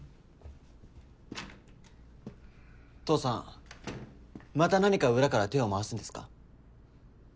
父さんまた何か裏から手を回すんですか。